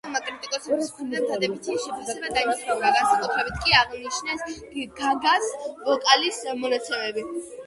ალბომმა კრიტიკოსების მხრიდან დადებითი შეფასება დაიმსახურა, განსაკუთრებით კი აღნიშნეს გაგას ვოკალის მონაცემები.